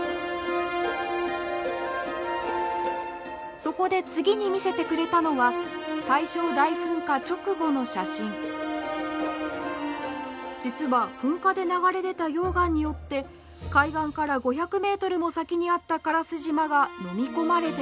そこで次に見せてくれたのは実は噴火で流れ出た溶岩によって海岸から５００メートルも先にあった烏島がのみ込まれてしまったのです。